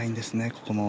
ここも。